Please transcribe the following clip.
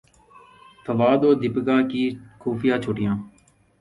فواد اور دپیکا کی خفیہ چھٹیاں